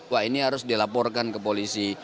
wah ini harus dilaporkan ke polisi